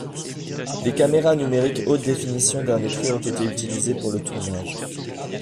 Des caméras numériques haute définition dernier cri ont été utilisés pour le tournage.